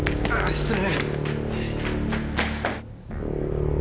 失礼！